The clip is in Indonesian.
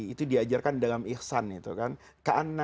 itu diajarkan dalam ikhsan itu kan